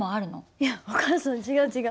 いやお母さん違う違う。